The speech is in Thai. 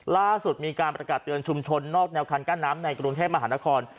ล่าสุดมีการประกาศเตือนชุมชนนอกแนวคันกั้นน้ำในกรุงเทพมหานคร